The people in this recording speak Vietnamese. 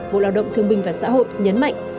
bộ lao động thương binh và xã hội nhấn mạnh